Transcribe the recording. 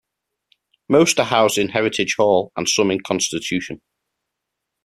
Most are housed in Heritage Hall and some in Constitution.